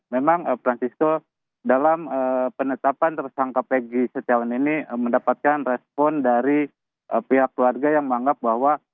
memang francisco dalam penetapan tersangka peggy setiawan ini mendapatkan respon dari pihak keluarga yang menganggap bahwa